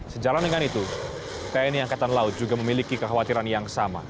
sejalan dengan itu tni angkatan laut juga memiliki kekhawatiran yang sama